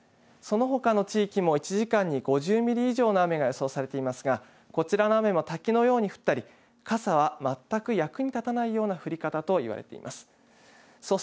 そのほかの地域も１時間に５０ミリ以上の雨が予想されていますがこちらの雨も滝のように降ったり傘は全く役に立たないような降り方といわれています。